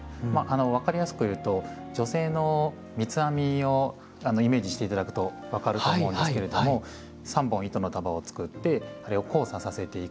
分かりやすく言うと女性の三つ編みをイメージして頂くと分かると思うんですけれども３本糸の束を作ってあれを交差させていく。